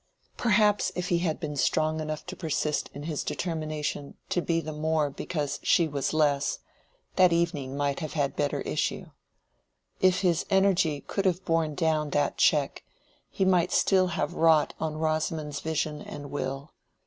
Perhaps if he had been strong enough to persist in his determination to be the more because she was less, that evening might have had a better issue. If his energy could have borne down that check, he might still have wrought on Rosamond's vision and will.